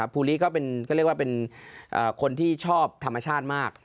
ภูริก็เรียกว่าเป็นคนที่ชอบธรรมชาติมาก